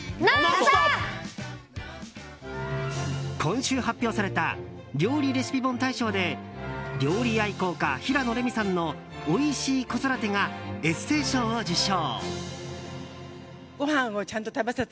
今週発表された料理レシピ本大賞で料理愛好家・平野レミさんの「おいしい子育て」がエッセイ賞を受賞。